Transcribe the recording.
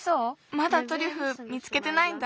まだトリュフ見つけてないんだ。